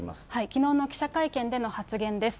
きのうの記者会見での発言です。